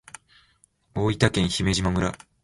大分県姫島村